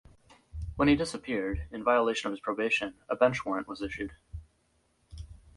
When he disappeared, in violation of his probation, a bench warrant was issued.